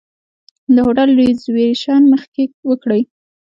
د هوټل ریزرویشن مخکې وکړئ.